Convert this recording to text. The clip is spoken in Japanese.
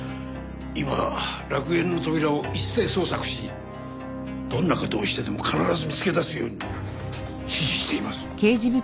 今楽園の扉を一斉捜索しどんな事をしてでも必ず見つけ出すよう指示しています。